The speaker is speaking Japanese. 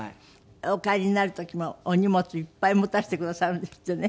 お帰りになる時もお荷物いっぱい持たせてくださるんですってね。